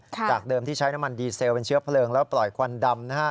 จากเดิมที่ใช้น้ำมันดีเซลเป็นเชื้อเพลิงแล้วปล่อยควันดำ